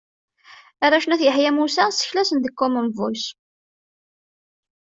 Arrac n At Yeḥya Musa, seklasen deg Common Voice.